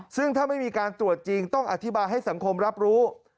ซึ่งถ้าไม่มีการตรวจจริงต้องอธิบายให้สังคมรับรู้